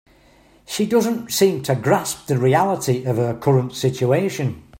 She doesn't seem to grasp the reality of her current situation.